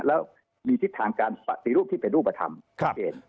แล้วมีทิศทางการปฏิรูปที่เป็นรูปธรรมชัดเจน